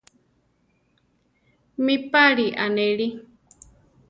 ¿Mi páli anéli?